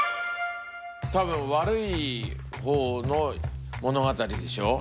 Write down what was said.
多分悪い方の物語でしょ？